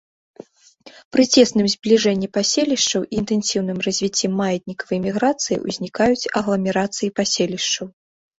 Пры цесным збліжэнні паселішчаў і інтэнсіўным развіцці маятнікавай міграцыі ўзнікаюць агламерацыі паселішчаў.